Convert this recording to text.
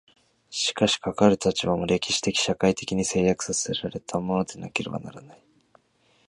しかしかかる立場も、歴史的社会的に制約せられたものでなければならない。